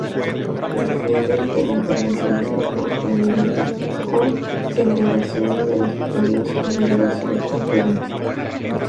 Defienden el internacionalismo, la libertad o segregación de los pueblos y la diversidad cultural.